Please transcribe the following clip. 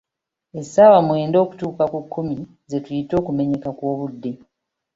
Essaawa mwenda okutuuka ku kkumi ze tuyita okumenyeka kw'obudde.